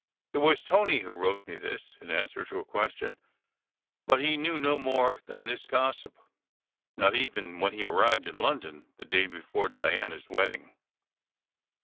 It was Tony who wrote me this, in answer to a question. But he knew no more than this gossip, not even when he arrived in London the day before Diana s wedding.